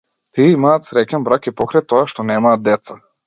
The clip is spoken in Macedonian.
Тие имаат среќен брак, и покрај тоа што немаат деца.